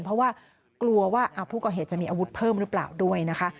เพราะว่ากลัวว่าผู้ก่อเหตุจะมีอาวุธเพิ่มหรือเปล่าด้วยนะคะ